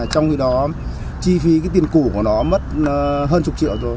trong khi đó chi phí cái tiền cũ của nó mất hơn một mươi triệu rồi